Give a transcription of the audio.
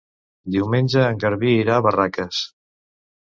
Diumenge en Garbí irà a Barraques.